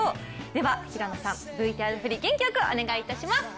では平野さん、ＶＴＲ振り、元気よくお願いいたします！